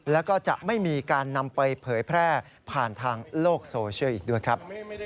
แล้วก็จะไม่มีการนำไปเผยแพร่ผ่านทางโลกโซเชียลอีกด้วยครับ